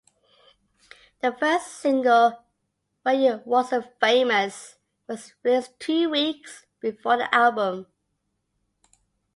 The first single, "When You Wasn't Famous", was released two weeks before the album.